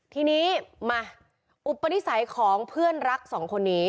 ทีนี้มาอุปนิสัยของเพื่อนรักสองคนนี้